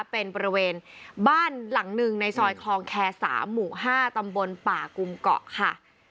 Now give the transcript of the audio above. เป็นบริเวณบ้านหลังหนึ่งในซอยคลองแคร์๓หมู่๕ตำบลป่ากุมเกาะค่ะ